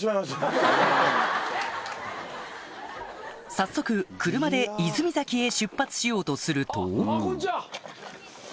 早速車で泉崎へ出発しようとするとこんにちは。